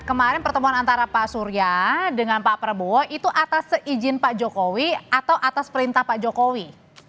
kemarin pertemuan antara pak surya dengan pak prabowo itu atas seizin pak jokowi atau atas perintah pak jokowi